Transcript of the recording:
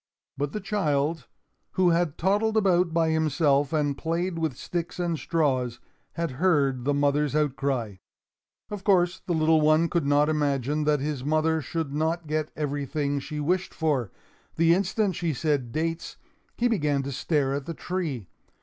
But the child, who had toddled about by himself and played with sticks and straws, had heard the mother's outcry. Of course the little one could not imagine that his mother should not get everything she wished for. The instant she said dates, he began to stare at the tree.